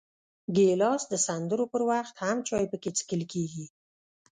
ګیلاس د سندرو پر وخت هم چای پکې څښل کېږي.